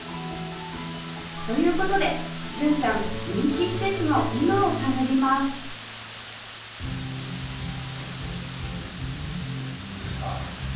という事で純ちゃん人気施設の今を探りますさあ。